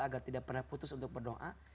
agar tidak pernah putus untuk berdoa